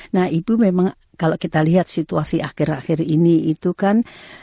nah ibu memang kalau kita lihat situasi akhir akhir ini itu kan